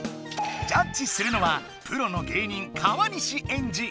ジャッジするのはプロの芸人川西エンジ。